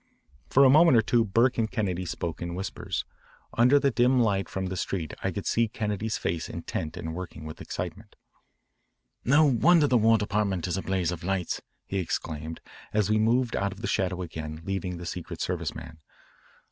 For a moment or two Burke and Kennedy spoke in whispers. Under the dim light from the street I could see Kennedy's face intent and working with excitement. "No wonder the War Department is a blaze of lights," he exclaimed as we moved out of the shadow again, leaving the Secret Service man.